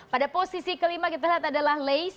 pada posisi kelima kita lihat adalah leis